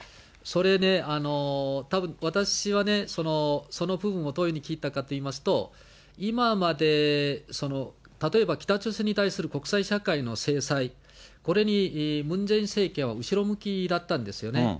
それね、たぶん、私はね、その部分をどういうふうに聞いたかといいますと、今まで例えば北朝鮮に対する国際社会の制裁、これにムン・ジェイン政権は後ろ向きだったんですよね。